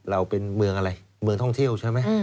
เราเป็นเมืองอะไรเมืองท่องเที่ยวใช่ไหม